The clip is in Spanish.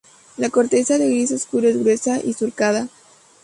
La corteza de gris oscuro es gruesa y surcada.